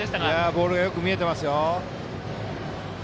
ボールがよく見えてますよ。